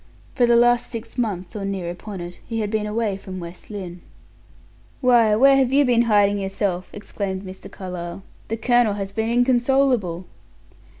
For the last six months or near upon it, he had been away from West Lynne. "Why, where have you been hiding yourself?" exclaimed Mr. Carlyle. "The colonel has been inconsolable."